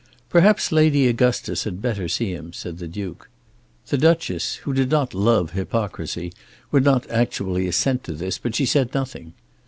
"Perhaps Lady Augustus had better see him," said the Duke. The Duchess, who did not love hypocrisy, would not actually assent to this, but she said nothing.